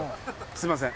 すみません。